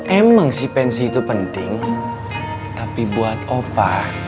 emang si pensi itu penting tapi buat opa